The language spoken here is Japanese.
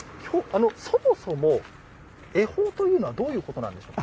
そもそも恵方というのはどういうことなんでしょうか？